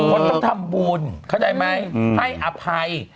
คนต้องทำบุญเข้าใจไหมให้อภัย